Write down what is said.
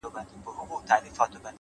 پوهه د وېرې زنځیرونه ماتوي؛